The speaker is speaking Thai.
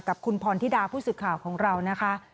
กับคุณพรธิดาผู้สื่อข่าวของเรานะคะ